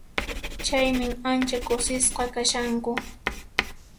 Chaymi ancha kusisqa kashanku.